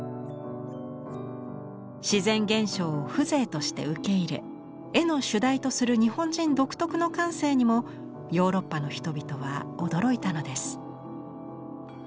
自然現象を風情として受け入れ絵の主題とする日本人独特の感性にもヨーロッパの人々は驚いたのです。